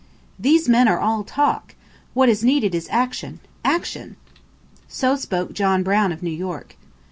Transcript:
"These men are all talk; what is needed is action action!" So spoke John Brown of New York.